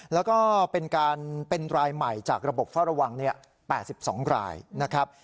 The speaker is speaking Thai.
แล้วก็เป็นการเป็นรายใหม่จากระบบฟ่าระวังเนี่ยแปดสิบสองรายนะครับ